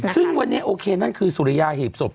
ซึ่งวันนี้โอเคนั่นคือสุริยาหีบศพ